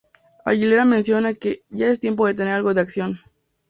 Aguilera menciona que "ya es tiempo de tener algo de acción".